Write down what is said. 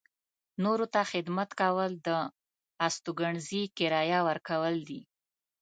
نورو ته خدمت کول د استوګنځي کرایه ورکول دي.